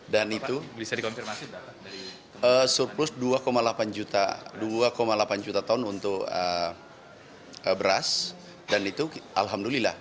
dan itu surplus dua delapan juta ton untuk beras dan itu alhamdulillah